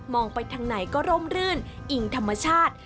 ไปทางไหนก็ร่มรื่นอิงธรรมชาติ